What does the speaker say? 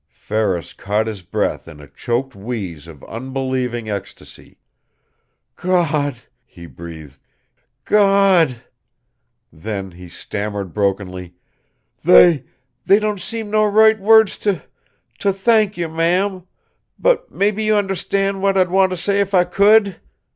Ferris caught his breath in a choked wheeze of unbelieving ecstasy. "Gawd!" he breathed. "GAWD!" Then, he stammered brokenly "They they don't seem no right words to to thank you in, Ma'am. But maybe you und'stand what I'd want to say if I could?"